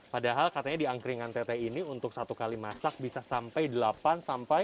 padahal katanya di angkringan tete ini untuk satu kali masak bisa sampai delapan sampai